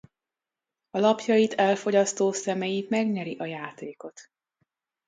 A lapjait elfogyasztó személy megnyeri a játékot.